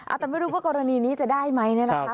แต่ไม่รู้ว่ากรณีนี้จะได้ไหมเนี่ยนะคะ